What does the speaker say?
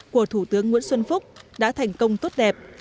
của thủ tướng nguyễn xuân phúc đã thành công tốt đẹp